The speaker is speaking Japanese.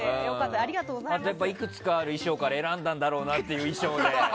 あと、いくつかある衣装から選んだんだろうなという衣装で。